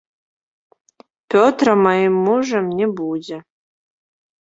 Пётра маім мужам не будзе.